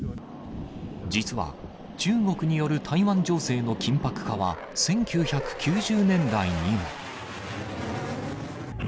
実は中国による台湾情勢の緊迫化は１９９０年代にも。